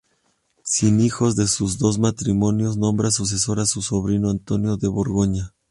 Sin hijos de sus dos matrimonios, nombra sucesor a su sobrino Antonio de Borgoña.